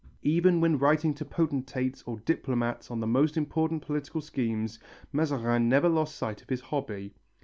Even when writing to potentates or diplomats on the most important political schemes, Mazarin never lost sight of his hobby.